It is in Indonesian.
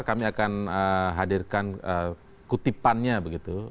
kami akan hadirkan kutipannya begitu